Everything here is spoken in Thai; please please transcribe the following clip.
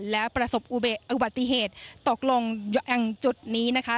และประสบอุบัติเหตุตกลงอย่างจุดนี้นะคะ